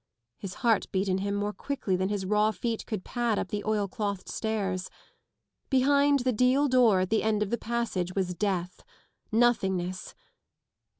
His heart beat in him more quickly than his raw feet could pad up the oilciothed stairs. Behind the deal door at the end of the passage was death. Nothingness!